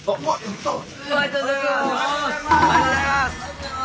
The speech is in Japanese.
ありがとうございます！